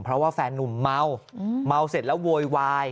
เพราะว่าแฟนนุ่มเมาเมาเสร็จแล้วโวยวาย